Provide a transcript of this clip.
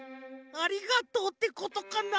「ありがとう」ってことかな？